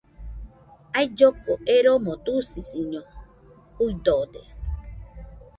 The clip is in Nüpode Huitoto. Ailloko eromo dusisiño juidode